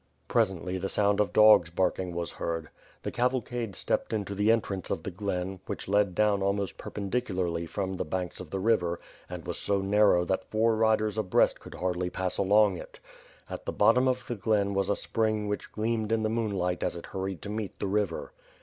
Presently, the sound of dogs barking was heard. The cav alcade stepped into the entrance of the glen, which lead down almost perpendicularly from the banks of the river and was so narrow that four riders abreast could hardly pass along it. At the bottom of the glen was a spring, which gleamed in the moonlight as it hurried to meet the river.